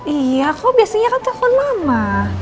iya kok biasanya kan telepon lama